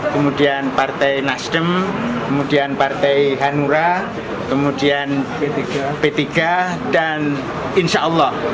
kemudian partai nasdem kemudian partai hanura kemudian p tiga dan insya allah